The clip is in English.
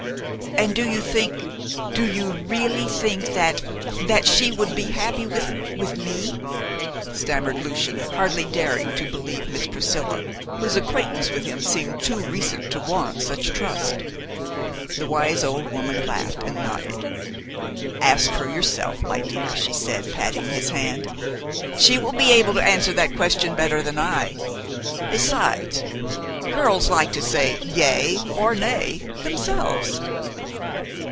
"And do you think do you really think that she that she would be happy with with me?" stammered Lucian, hardly daring to believe Miss Priscilla, whose acquaintance with him seemed too recent to warrant such trust. The wise old woman laughed and nodded. "Ask her yourself, my dear," she said, patting his hand. "She will be able to answer that question better than I. Besides, girls like to say 'yea' or 'nay,' themselves."